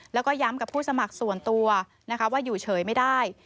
แล้วก็ย้ำกับผู้สมัครส่วนตัวนะคะว่าอยู่เฉยไม่ได้